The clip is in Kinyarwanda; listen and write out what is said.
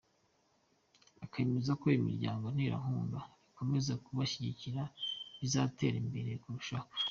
Akemeza ko imiryango nterankunga nikomeza kubishyigikira bizatera imbere kurushaho.